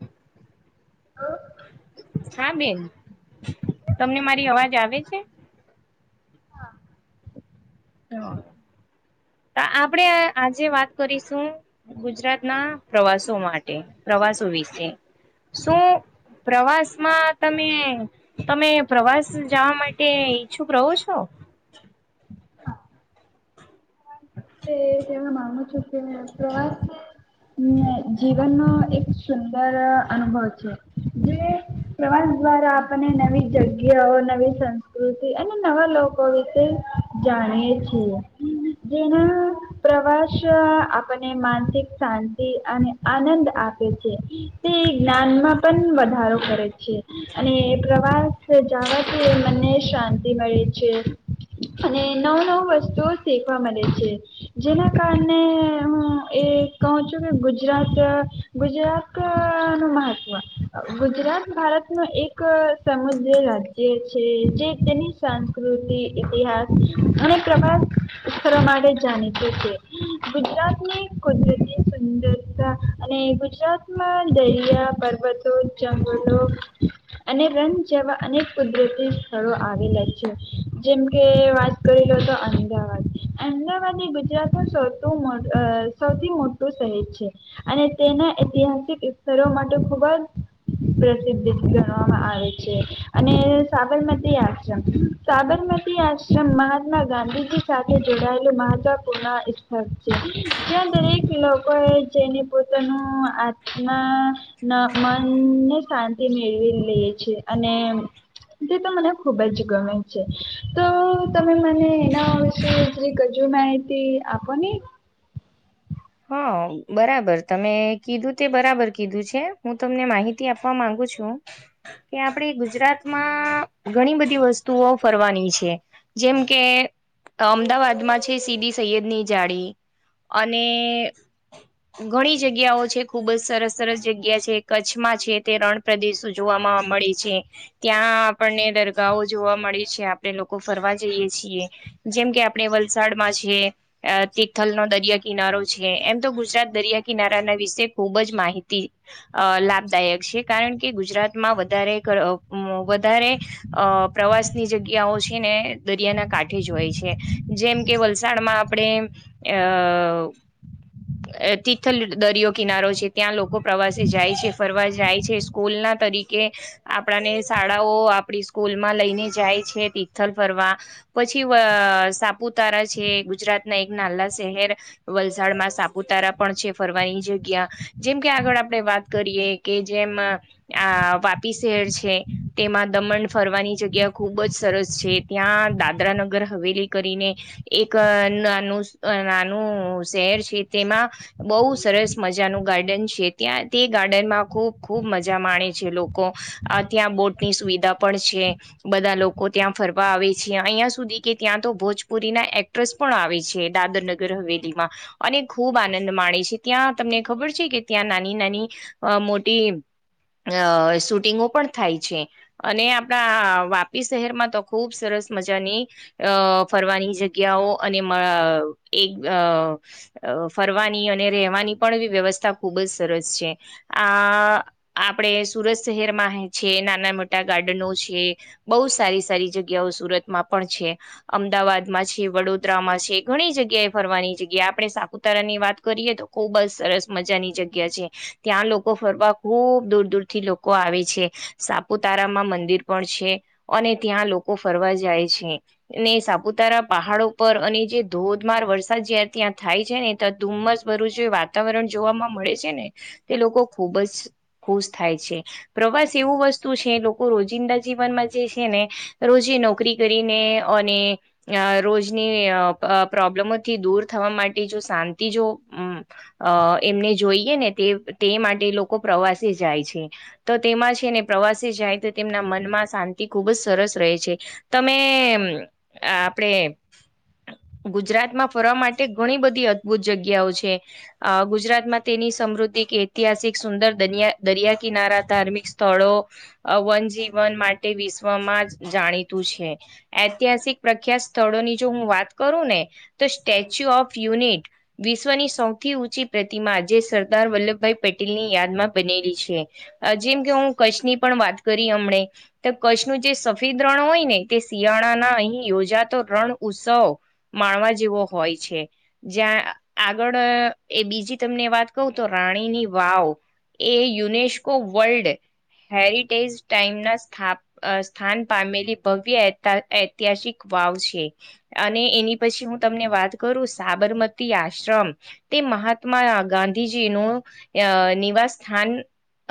હમ હ! હા બેન, તમને મારી અવાજ આવે છે? હ તા આપણે તે આજે વાત કરીશું ગુજરાતના પ્રવાસો માટે પ્રવાસો વિશ શુ પ્રવાસમાં, તમે, તમે પ્રવાસ જવા માટે ઈચ્છુક રહો છો? [inaudible] હા કે માનું છું, કે પ્રવાસને હ, જીવનનોો એક સુંદર અનુભવ છે, જે પ્રવાસ દ્વારા આપને નવી જગ્યાઓ, નવી સંસ્કૃતિ અને નવા લોકો વિશે જાણી છી, જેણા પ્રવાસ આપને માનસિક શાંતિ, અને આનંદ આપે છે. તે જ્ઞાનમાં પણ વધારો કરે છે, અને પ્રવાસ જવાથી મ ને શાંતિ મળે છે, અને નવ, નવ વસ્તુ મળે છે, જેના કારણે હું, એ કહું છું કે ગુજરાત ગુજરાત નું મહત્વ, ગુજરાત ભારત નું એક સમુદ્ર રાજ્ય છે, જે તેની સંસ્કૃતિ ઇતિહાસ અને પ્રભઆત માટે જાણીત છે, ગુજરાતની કુદરતી સુંદરતા અને ગુજરાતમાં દરિયા, પર્વતો જંગલો અને રણ જેવા અનેક કુદરતી સ્થળો આવેલા છે, જેમકે વાત કરી લો તો અમદાવાદ અમદાવાદની ગુજરાત ન સૌ સૌથી, મોટું શહેર છે, અને તેના ઐતિહાસિક સ્તરો માટે, ખુબજ. પ્રસિદ્ધ ગણવામાં આવે છે, અને સાબરમતી યા છે, સાબર માતી, આશ્રમ મહાત્મા ગાંધીજી સાથે જોડાયેલું મહત્વપૂર્ણ સ્થક છે, જ્યાં દરેક લોકો જેને પોતાના ના આત્મા મનને શાંતિ મેળવી લે છે, અને એતો મને ખુબજ ગમે છે, તો તમે મને એના વિસય થોડીક, હજુ માહિતી આપોને? હા, બરાબર તમે કીધું તે બરાબર કીધું છે, હું તમને માહિતી આપવા માંગ ગુ છું, કે આપણે ગુજરાતમાં ઘણીબધી વસ્તુઓ ફરવાની છે. જેમ કે અમદાવાદમાં છે, સીદી સૈયદ ની જાળી અને તે ઘણી જગ્યાઓ છે, ખુબજ સરસ, સરસ જગ્યા છે, કચ્છમાં છે, તે રણ પ્રદેશો જોવામાં મળી છે, ત્યાં આપણને દરગાહો જોવા મળી છે. આપણે લોકો ફરવા જઈએ છીએ. જેમ કે આપણે વલસાડમાં છે, તિથલનો દરિયા કિનારો એમ, તો ગુજરાત દરિયા કિનારાના વિશે ખુબ જ માહિતી લાભદાયક છે, કારણ ણ કે, ગુજરાતમાં વધારે, વધારે પ્રવાસની જગ્યાઓ છેને. દરિયાના કાંઠે જ હોય છે, જેમ કે વલસાડમાં આપણે અ. [inaudible] તિથલ દરિયો કિનારો છે, ત્યાં લોકો પ્રવાસે જાય છે. ફરવા જાય છે, સ્કૂલ ના તરીકે કે આપણાને શાળાઓ આપણી સ્કૂલમાં લઈને જાય છે, તિથલ ફરવા પછી સાપુતારા છે, ગુજરાત ના એક નાના શહેર વલસાડ માં સાપુતારા પણ છે, ફરવાની જગ્યા જેમ કે આગળ આપડણે વાત કરીએ કે, જેમ આ વાપી શહેર છે, તેમાં દમણ ફરવાની જગ્યા ખુબજ સરસ છે. ત્યાં દાદરાનગર હવેલી, કરીને એક નાનું, નાનું શહેર છે, તેમાં બહુ સરસ મજાનું ગાર્ડન છે, ત્યાં, તે ગાર્ડનમાં ખૂબ, ખૂબ મજા માણે છે, લોકો ત્યાં બોટની સુવિધા પણ છે, બધા લોકો ત્યાં ફરવા આવે છે, અહિયાં સુધી કે ત્યાં તો ભોજપુરીના એક્ટ્રેસ પણ આવે છે, દાદર નગર હવેલીમા અને ખૂબ આનંદ માણેે છે, ત્યાં તમને ખબર છે, કે ત્યાં નાની, નાની મોટી અ શૂટિંગો પણ થાય છે, અને આપણા વાપી શહેરમા તો ખુબ સરસ મજાની અ ફરવાની જગ્યાઓ, અને માઓ એક આવ ફરવાની અને રહેવાની, પણ વ્યવસ્થા ખુબ જ સરસ છે, આ. આપણે સુરત શહેરમાં છે નાના-મોટા ગાર્ડનો છે. બહુ સારી સારી જગ્યાઓ સુરતમાં પણ છે અમદાવાદમાં છે વડોદરામાં છે ઘણી જગ્યાએ ફરવાની જગ્યા આપણે સાપુતારાની વાત કરીએ તો ખુબ જ સરસ મજાની જગ્યા છે ત્યાં લોકો ફરવા ખૂબ ખબ દૂર દૂરથી લોકો આવે છે સાપુતારામાં મંદિર પણ છે અને ત્યાં લોકો ફરવા જાય છે. સાપુતારા પહાડો પર અને જે ધોધમાર વરસાદ જે ત્યાં થાય છે ને ત્યાં ધુમ્મસ ભર્યું વાતાવરણ જોવાવામાં મળે છે ને તે લોકો ખુબ જ ખુશ થાય છે પ્રવાસ એવું વસ્તુ છે લોકો રોજિંદા જીવનમાં જે છે ને રોજે નોકરી કરીને અને રોજની પ્રોબ્લેમોથી દૂર થવા માટે જો શાંતિ જો એમને જોઈએ ને તે માટે લોકો પ્રવાસે જાય છે તો તેમાં છેને પ્રવાસે જાય તો તેમના મનમાં શાંતિ ખુબ જ સરસ રહે તમે આપણે ગુજરાતમાં ફરવા માટે ઘણી બધી અદભુત જગ્યાઓ છે. ગુજરાતમાં તેની સમૃદ્ધિ કે ઐતિહાસિક સુંદરતા દરિયા કિનારા, ધાર્મિક સ્થળો વન-જીવન માટે વિશ્વમાં જાણીતુ છે. ઐતિહાસિક પ્રખ્યાત સ્થળોની જો હું વાત કરું ને તો સ્ટચ્ ચ્યુ ઓફ યુનિટ વિશ્વની સૌથી ઊંચી પ્રતિમા જે સરદાર વલ્લભભાઈ પટેલની યાદ બનેલી છે જેમ કે હું કચ્છની પણ વાત કરી હમને તો કચ્છનું જે સફેદ રણ હોય ને તે શિયાળાના અહી યોજાતો રણ ઉત્સવ માણવા જેવો હોય છે જ્યાં આગળ એ બીજી તમને વાત કહું તો રાણીની વાવ એ યુનેસ્કો વર્લ્ડ હેરિટેજ ટાઈમના સ્થાન પામેલી ભવ્ય ઐતિહાસિક વાવ છે અને એની પછી હું તમને વાત સાબરમતી આશ્રમ તે મહાત્મા ગાંધીજીનું એવા સ્થાન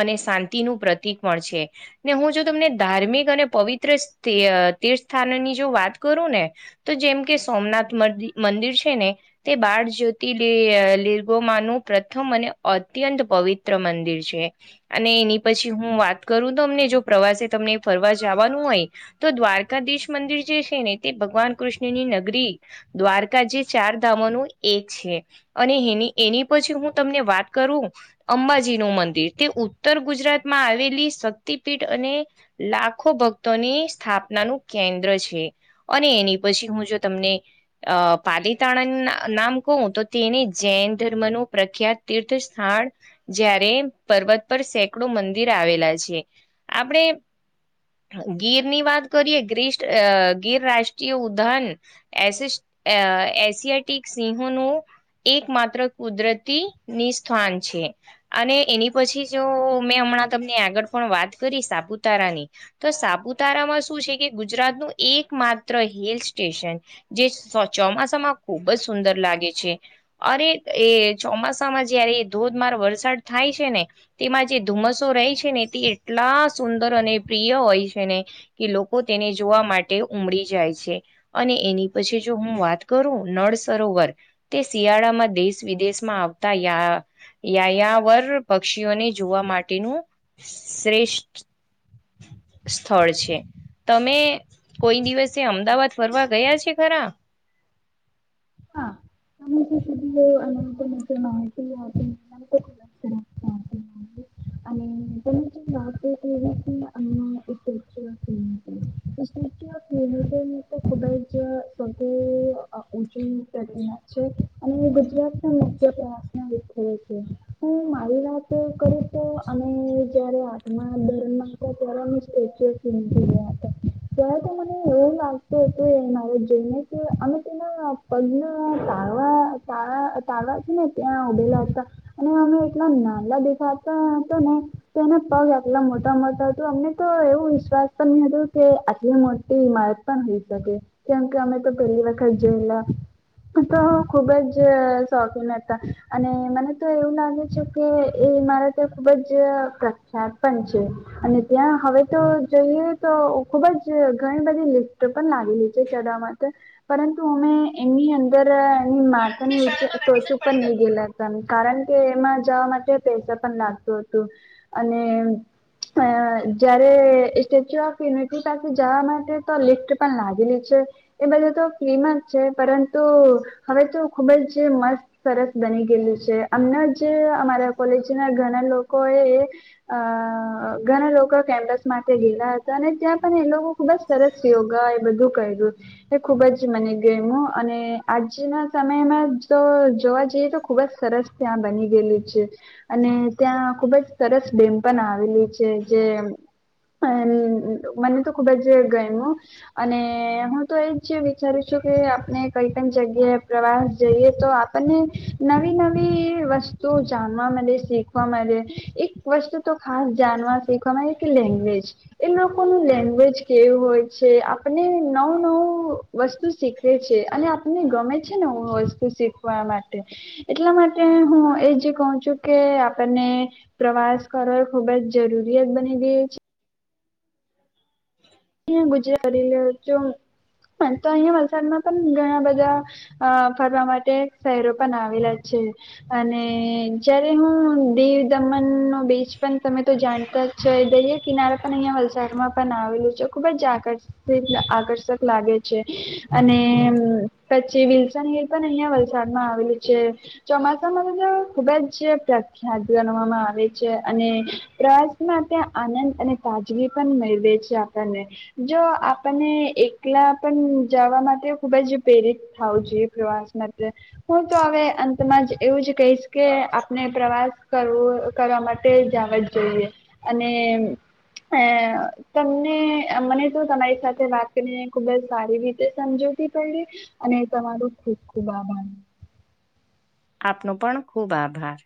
અને શાંતિનું પ્રતિક પણ છે અને હું જો તમને ધાર્મિક અને પવિત્ર તીર્થ સ્થાનની જો વાત કરુંને તો જેમકે સોમનાથ મિ મંદિર છેને તે બાર જ્યોતિ લિર્ગોમાંનું પ્રથમ અને અત્યંત પવિત્ર મંદિર છે અને એની પછી હું વાત કરું તો અમને જો પ્રવાસે તમને ફરવા જ આવવાનું હોય તો દ્વારકાધીશ મંદિર જે છેને તે ભગવાન કૃષ્ણની નગરી દ્વારકા જે ચાર ધામોનું એક છે અનેની એની પછી હું તમને વાત કરું અંબાજીનું મંદિર તે ઉત્તર ગુજરાતમાં આવેલી શક્તિપીઠ અને લાખ લખો ભક્તોની સ્થાપનાનું કેન્દ્ર છે અને એની પછી હું જો તમને અ પાલીતાણા નામ કહું તો તેને જૈન ધર્મનું પ્રખ્યાત તીર્થ સ્થાન જારે પર્વત પર સેકડો મંદિર આવેલા છે આપણે ગીરની વાત કરીએ ગ્રીષ ગીર રાષ્ટ્રીય ઉદધહાન એ અ એશિયાટિક સિંહોનું એક માત્ર કુદરતી સ્થાન છે. છે અને એની પછી જો મેં હમણાં તમને આગળ પણ વાત કરી સાપુતારાની તો સાપુતારામાં શું છે કે ગુજરાતનું એક માત્ર હિલ સ્ટેશન જે સ ચોમાસામાં ખુબજ સુંદર લાગે છે અરે એ ચોમાસામાં જયારે એ ધો વરસાદ થાય છેને તેમાં જે ધુમ્મસો રહેે છેને તે એટલા સુંદર અને પ્રિય હોય છેને કે લોકો તેને જોવા માટે ઉમડી જાય છે અને એની પછી જો હું વાત કરું નળ સરોવર તે શિયાળામાં દેશ વિદેશમાં આવતા યા યાયાવર પક્ષીઓને જોવા માટેનું શ્રેષ્ઠ સ્થળ છે. તમે કોઈ દિવસે અમદાવાદ ફરવા ગયા છે ખરા હા. ત જે સુધી અનંત મચ માતીતી ખ [unintelligible] અને તને જેમ બાપ હતી એને અમ્મા એ [unintelligible] તો ખુદા જે સ [unintelligible] તિ અને ગુજરાત ના મુખ્ય પ્રવાસનો વિષયો છે. હું મારી રાત કરી તો અને મા ત્યારે સચ ગયા, ત્યારે તો મને આવો લાગતું હતું, એ મા જોઈને, કે અમે તેના હ તા છેને, ત્યાં ઉડેલા હતા, અને અમે એટલા નાના, દેખાતા તો એના પગ આટલા મોટા મોટા હતું, અમને તો એવું વિશ્વાસ પણ ન હતું, કે આટલી એ હઇમારત પણ હઈ, શકે કેમ કે અમે તો પહેલી પાખા જેલા તો હું ખુબજ શોખીન હતા, અને મનેતો એવું લાગે છે, કે એ ત્યાં ખુબજ પ્રખ્યાત પણ છે, અને ત્યાં હવેતો જોઈએ, તો ખુબજ ઘણી બધી લિફ્ટ પણ લાગેલી છે, ચડાવમાં પરંતુ અમે એની અંદર એની માતાની ચે ટોચ ઉપર નહી, ગયેલા હતા કારણ કે એમાં જવા માટે પૈસા પણ લાગતું હતું, અને અ જયારે સ્ટેચ્યુ ઓફ યુનિટી પાસે જવાવામાં તો લિફ્ટ પણ લાગેલી છે, એ બધે તો ફ્રીમાં પરંતુ હવે, તો ખુબજ મસ્ત સરસ બની ગયેલું છે, અમના જે અમારા કોલેજના, ઘણા લોકોએ અ ઘણા લોકો કેમ્પસ માટે ગ હતા, અને ત્યાં પણ એ લોકો ખુબજ સરસ યોગા, એ બધું કર્યું એ ખુબજ મને ગેમો, અને આજના સમયમાં, જો જોવા જઈએ તો ખુબજ, સરસ ત્યાં બની ગયેલી છે. અને ત્યાં ખુબજ સરસ ડેમ, પણ આવેલી છે, જે હ મને, તો ખુબજ ગયમ અને હું, તો એજ વિચારું છ કે આપણે કઈ પણ જગ્યાએ પ્રવાસ જઈએ, તો આપણને નવી, નવી વસ્ તો જાણવા મળે, શીખવા મળે એક વસ્તુ, તો ખાસ જાણવાીખ ગણ, કે લેંગ્વેજ એમ લોકોનું લેંગ્વેજ, કેવું હોય છે, આપને નવું, નવું ઉ વસ્તુ. છે, અને આપને ગમે છેને, વસ્તુ શીખવા માટે એટલા માટે હું, એ. કહ છું, કે આપણને પ્રવાસ કરવાો ખુબજ જરૂરિયાત બની ગઈ છે. હ, ગુજરાારી જોું. પણ, તો અહિયાં વલસાડમાં પણ ઘણા, બધા અ ફરવા માટે શહેરો, પણ આવેલા છે. અને જયારે, હું દીવ દમન બીચ, પણ તમે તો જાણતા છો, દરિયા કિનારા પણ અહિયાં વલસાડમા પણ આવેલું છો. ખુબજ આ આકર્ષક લાગે છે, અને પછી વિલસન અહં વલસાડમાં આવેલી છે, ચોમાસામાં ખુબજ પ્ર ગવામાં આવે પ્રસમાં, ત્યાં આનંદ અને તાજગી પણ મેળવે છે. ને જો, આપને એકલા પણ જવા માટે ખુબજ પ્રેરિત થાવું, જોઈએ પ્રવાસ માટે હું, તો હવે જ એવું જ કહીશ, કે આપણે પ્રવાસ. કરવું, કરવા માટે જાવ જ જોઈએ, અને હ, તમ મને તો તમારી સાથે વાત કરીને ખુબજ, સારી રીતે સમજતી, પડ અને હું, ખૂબ, ખૂુબ આભાર. આપનો પણ ખુબ, આભાર.